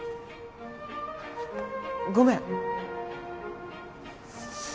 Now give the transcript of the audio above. ごめん